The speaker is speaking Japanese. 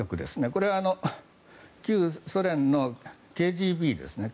これは旧ソ連のＫＧＢですね。